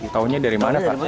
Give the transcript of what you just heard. tahunya dari mana pak